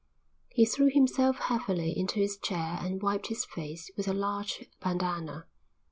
He threw himself heavily into his chair and wiped his face with a large bandana.